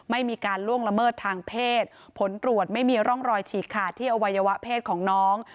ไม่มีการล่วงละเมิดทางเพศผลตรวจไม่มีร่องรอยฉีกขาดที่อวัยวะเพศของน้อง